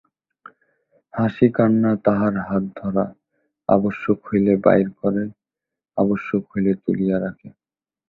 হাসিকান্না তাহার হাতধরা, আবশ্যক হইলে বাহির করে, আবশ্যক হইলে তুলিয়া রাখে।